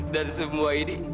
hanya karena cinta